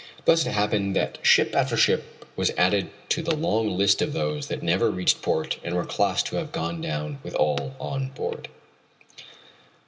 Thus it happened that ship after ship was added to the long list of those that never reached port and were classed as having gone down with all on board.